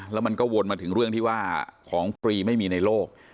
แล้วมันก็วนมาถึงเรื่องที่ว่าของฟรีไม่มีในโลก